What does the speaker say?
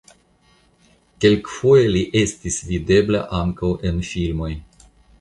Kelkfoje li estis videbla ankaŭ en filmoj.